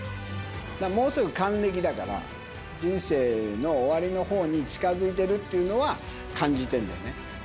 もうすぐ還暦だから、人生の終わりのほうに近づいてるっていうのは感じてんだよね。